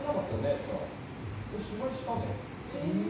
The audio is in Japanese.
っつったら「芝居したで」。・え！